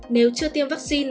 nếu chưa tiêm vaccine